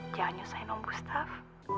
jangan nyusahin om gustaf